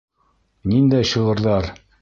Ниндәй шиғырҙар!